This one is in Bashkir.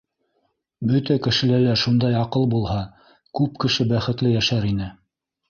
Бөтә кешелә лә шундай аҡыл булһа, күп кеше бәхетле йәшәр ине.